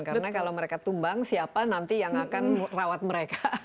karena kalau mereka tumbang siapa nanti yang akan merawat mereka